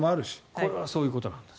これはそういうことです。